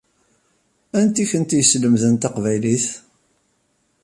Anti i kent-yeslemden taqbaylit?